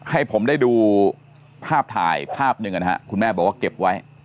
ให้ผมได้ดูภาพถ่ายภาพหนึ่งคุณแม่บอกว่าเก็บไว้